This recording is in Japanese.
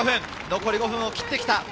残り５分をきってきた。